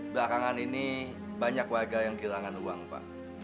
belakangan ini banyak warga yang kehilangan uang pak